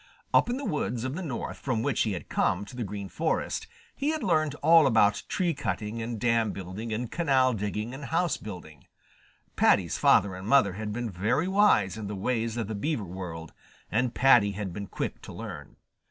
Up in the woods of the North from which he had come to the Green Forest he had learned all about tree cutting and dam building and canal digging and house building. Paddy's father and mother had been very wise in the ways of the Beaver world, and Paddy had been quick to learn.